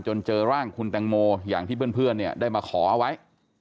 เจอร่างคุณแตงโมอย่างที่เพื่อนเนี่ยได้มาขอเอาไว้